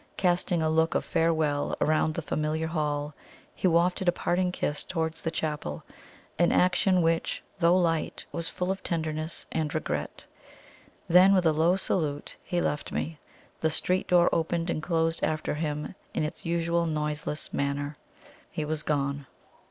Casting a look of farewell around the familiar hall, he wafted a parting kiss towards the chapel an action which, though light, was full of tenderness and regret. Then, with a low salute, he left me. The street door opened and closed after him in its usual noiseless manner. He was gone.